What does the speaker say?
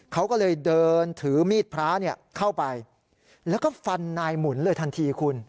เขาก็เลยเดินถือมีดพระเข้าไปแล้วก็ฟันนายหมุนเลยทันทีคุณ